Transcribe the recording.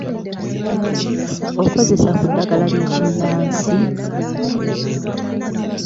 Okozesa ku ddagala ly’ekinnansi?